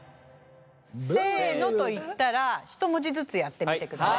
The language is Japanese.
「せの」と言ったらひと文字ずつやってみてください。